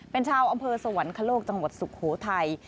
เป็นชาวอำเภอสวรรคโลกจังหวัดสุโขทัย